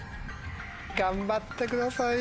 頑張ってください。